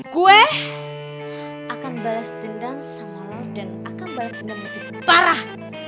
gue akan bales dendam sama lo dan akan bales dendam lebih parah